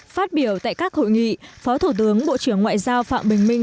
phát biểu tại các hội nghị phó thủ tướng bộ trưởng ngoại giao phạm bình minh